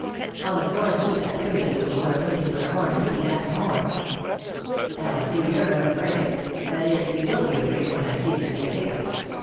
I'll accord you that liberty which you are willing to accord me, and more." " Elsie, you're a brick — that is, you will be a brick when I cease to be a vicar.